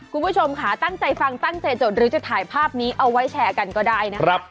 คุณผู้ชมค่ะตั้งใจฟังตั้งใจจดหรือจะถ่ายภาพนี้เอาไว้แชร์กันก็ได้นะครับ